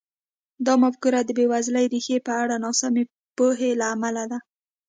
دا مفکوره د بېوزلۍ ریښې په اړه ناسمې پوهې له امله ده.